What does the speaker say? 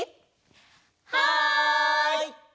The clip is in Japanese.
はい！